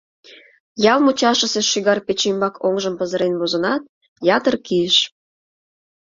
Ял мучашысе шӱгар пече ӱмбак оҥжым пызырен возынат, ятыр кийыш.